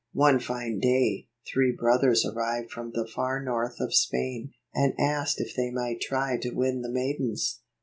One fine day, three brothers arrived from the far north of Spain, and asked if they might try to win the maidens.